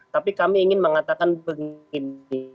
tapi kami ingin mengatakan begini